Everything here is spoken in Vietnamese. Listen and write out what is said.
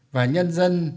và nhân dân